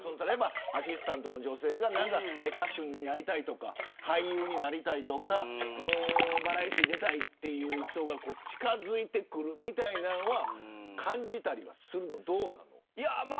アシスタントの女性が歌手になりたいとか俳優になりたいとかバラエティー出たいという人が近づいてくるみたいなのは感じたりはするの、どうなの。